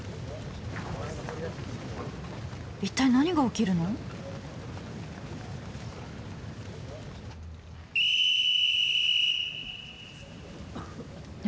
一体何が起きるの？え？